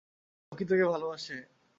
ও কি তোকে ভালোবাসে?